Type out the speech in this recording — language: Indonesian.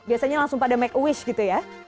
biasanya langsung pada make a wish gitu ya